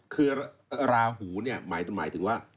คือราหูเนี่ยหมายถึงว่า